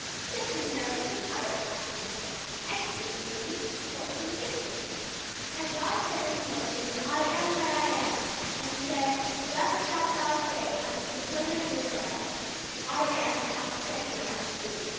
just compare it with this other passage Exodus iii. 14, 15. 'And God said unto Moses, I AM THAT I AM: and he said, Thus shalt thou say unto the children of Israel, I AM hath sent me unto you.